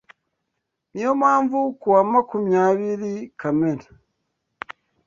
Niyo mpamvu kuwa makumyabiri Kamena